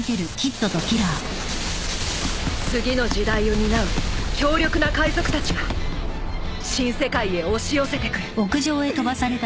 「次の時代を担う強力な海賊たちが新世界へ押し寄せてくる」